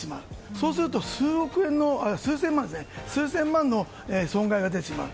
そうなると数千万の損害が出てしまう。